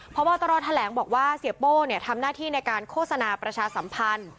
พบตรแถลงบอกว่าเสียโป้ทำหน้าที่ในการโฆษณาประชาสัมพันธ์